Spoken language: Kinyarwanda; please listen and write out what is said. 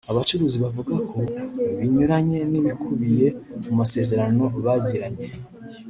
Abacuruzi bavuga ko binyuranye n’ibikubiye mu masezerano bagiranye